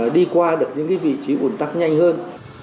đi qua được những vị trí ủn tắc nhanh hơn